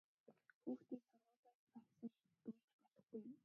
Хүүхдийг ч сургуулиас завсардуулж болохгүй!